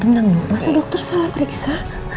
masa dokter salah periksa